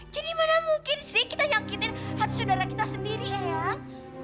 jadi mana mungkin sih kita yang kitir hati saudara kita sendiri eang